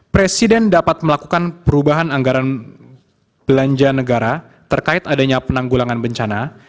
presiden dapat melakukan perubahan anggaran belanja negara terkait adanya penanggulangan bencana